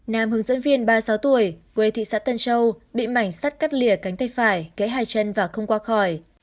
nam hướng dẫn viên ba mươi sáu tuổi quê thị xã tân châu bị mảnh sắt cắt lìa cánh tay phải cấy hai chân và không qua khỏi